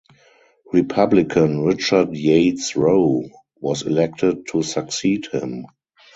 Republican Richard Yates Rowe was elected to succeed him.